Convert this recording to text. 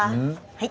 はい。